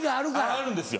あるんですよ。